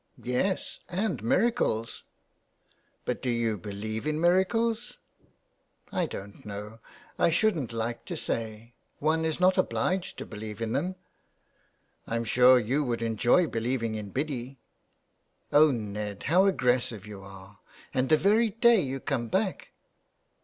" Yes, and miracles !"" But do you believe in miracles ?"" I don't know. I shouldn't like to say. One is not obliged to believe in them." " I'm sure you would enjoy believing in Biddy." '* Oh, Ned, how aggressive you are, and the very day you come back.''